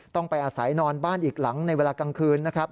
ต้องไปอาศัยนอนบ้านอีกหลังในเวลากลางคืนนะครับ